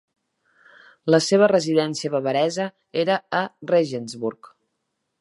La seva residència bavaresa era a Regensburg.